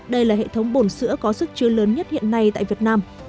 đây là hệ thống bồn sữa có sức chứa lớn nhất hiện nay tại việt nam